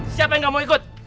siapa yang gak mau ikut